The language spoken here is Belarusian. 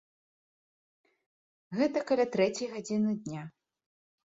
Гэта каля трэцяй гадзіны дня.